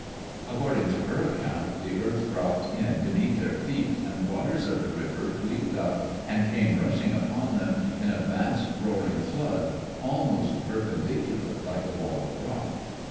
According to her account the earth dropped in beneath their feet, and waters of the river leaped up and came rushing upon them in a vast, roaring flood, almost perpendicular like a wall of rock.